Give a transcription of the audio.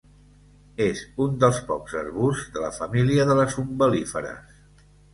És un dels pocs arbusts de la família de les umbel·líferes.